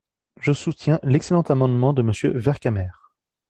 Je soutiens l’excellent amendement de Monsieur Vercamer.